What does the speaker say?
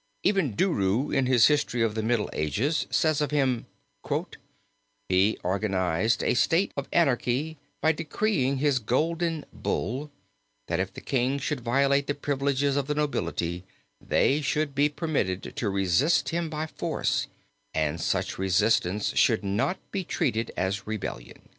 Even Duruy in his History of the Middle Ages says of him, "he organized a state of anarchy by decreeing his Golden Bull, that if the King should violate the privileges of the nobility, they should be permitted to resist him by force and such resistance should not be treated as rebellion."